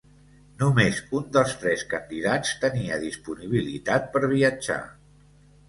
Només un dels tres candidats tenia disponibilitat per viatjar.